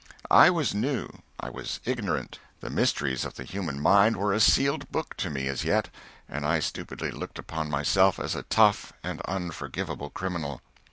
I was new, I was ignorant, the mysteries of the human mind were a sealed book to me as yet, and I stupidly looked upon myself as a tough and unforgivable criminal.